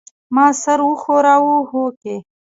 ما سر وښوراوه هوکې.